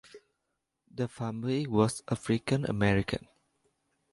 The family was African American.